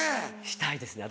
したいですね